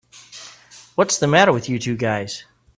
What's the matter with you two guys?